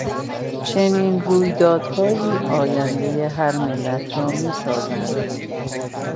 چنین رویدادهایی آیندهی هر ملت را میسازند.